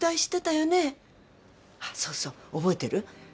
そうそう覚えてる？